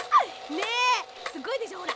ねえすっごいでしょほら。